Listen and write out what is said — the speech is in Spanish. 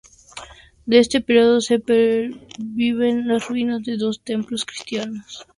De este período perviven las ruinas de dos templos cristianos.